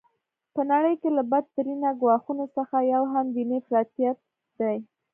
په نړۍ کي له بد ترینه ګواښونو څخه یو هم دیني افراطیت دی.